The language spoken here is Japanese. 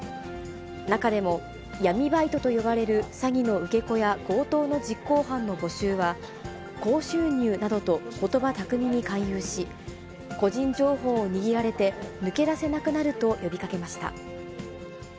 中でも、闇バイトと呼ばれる詐欺の受け子や強盗の実行犯の募集は、高収入などとことば巧みに勧誘し、個人情報を握られて、抜け出せなくなると呼びかけました。